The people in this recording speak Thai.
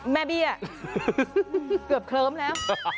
เบี้ยเกือบเคลิ้มแล้ว